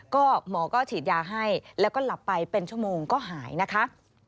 ก็หมอก็ฉีดยาให้แล้วก็หลับไปเป็นชั่วโมงก็หายนะคะ